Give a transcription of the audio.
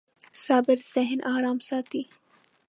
صبر ذهن ارام ساتي.